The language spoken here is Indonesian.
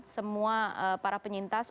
semua para penyintas